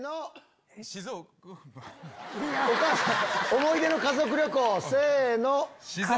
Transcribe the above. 思い出の家族旅行せの！